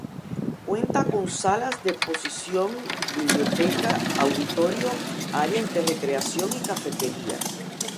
Cuenta con salas de exposición, biblioteca, auditorio, áreas de recreación y cafetería.